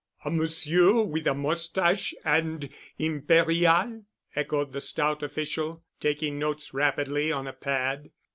"A monsieur with a mustache and Imperiale?" echoed the stout official, taking notes rapidly on a pad.